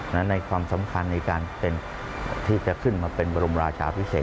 และในความสำคัญในการเป็นที่จะขึ้นมาเป็นบรมราชาพิเศษ